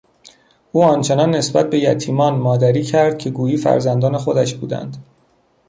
او آنچنان نسبت به یتیمانمادری کرد که گویی فرزندان خودش بودند.